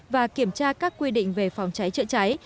và kiểm tra các quy định về phòng cháy chữa cháy